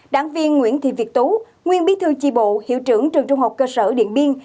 đảng viên nguyễn thị việt tú nguyên bí thư tri bộ hiệu trưởng trường trung học cơ sở điện biên